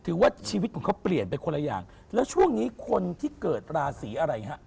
ถือว่าชีวิตของเขาเปลี่ยนไปคนละอย่างแล้วช่วงนี้คนที่เกิดราศีอะไรฮะ